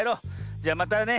じゃまたね